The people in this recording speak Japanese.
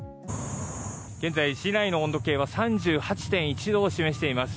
現在、市内の温度計は３８．１度を示しています。